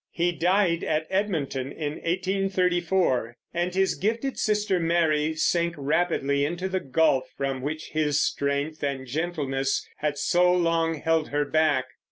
He died at Edmonton in 1834; and his gifted sister Mary sank rapidly into the gulf from which his strength and gentleness had so long held her back.